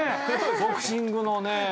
ボクシングのね